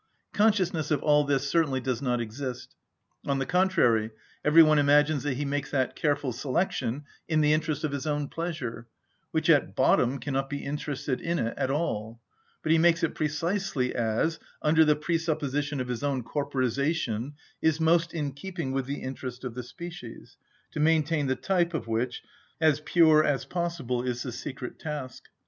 Consciousness of all this certainly does not exist. On the contrary, every one imagines that he makes that careful selection in the interest of his own pleasure (which at bottom cannot be interested in it at all); but he makes it precisely as, under the presupposition of his own corporisation, is most in keeping with the interest of the species, to maintain the type of which as pure as possible is the secret task.